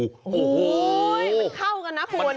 โอ้โหมันเข้ากันนะคุณ